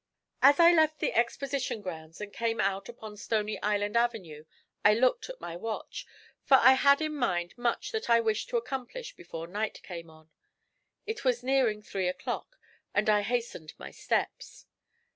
As I left the Exposition grounds and came out upon Stony Island Avenue I looked at my watch, for I had in mind much that I wished to accomplish before night came on. It was nearing three o'clock, and I hastened my steps.